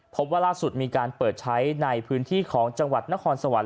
พบว่าล่าสุดมีการเปิดใช้ในพื้นที่ของจังหวัดนครสวรรค